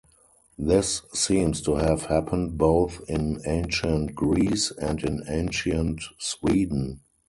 This seems to have happened both in ancient Greece and in ancient Sweden.